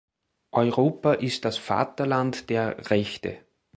Europa ist das Vaterland der Rechte.